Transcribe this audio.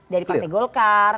dari partai golkar